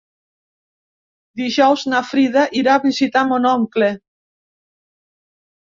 Dijous na Frida irà a visitar mon oncle.